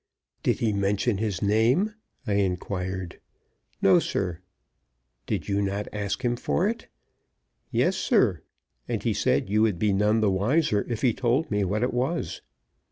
"Did he mention his name?" I inquired. "No, sir." "Did you not ask him for it?" "Yes, sir. And he said you would be none the wiser if he told me what it was."